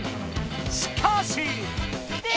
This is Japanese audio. しかし！